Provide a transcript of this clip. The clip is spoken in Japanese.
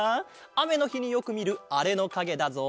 あめのひによくみるあれのかげだぞ！